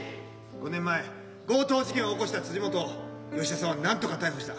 ５年前強盗事件を起こした辻本を吉田さんはなんとか逮捕した。